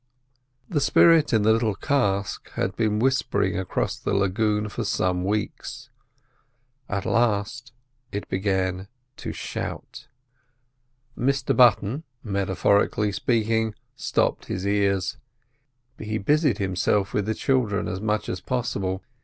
The spirit in the little cask had been whispering across the lagoon for some weeks; at last it began to shout. Mr Button, metaphorically speaking, stopped his ears. He busied himself with the children as much as possible.